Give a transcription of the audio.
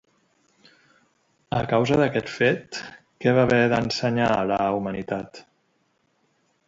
A causa d'aquest fet, què va haver d'ensenyar a la humanitat?